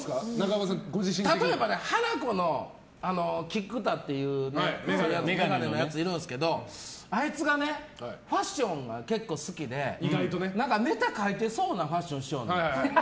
例えばハナコの菊田っていう眼鏡のやつがいるんですけどあいつがねファッションが結構好きでネタ書いてそうなファッションしよんねん。